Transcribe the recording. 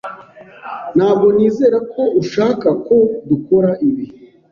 Ntabwo nizera ko ushaka ko dukora ibi.